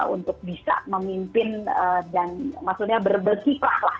untuk bisa memimpin dan maksudnya berbekiprah lah